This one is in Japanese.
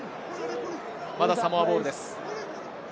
まだサモアボールです。